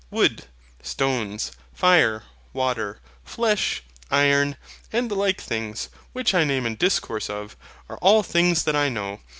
Wood, stones, fire, water, flesh, iron, and the like things, which I name and discourse of, are things that I know.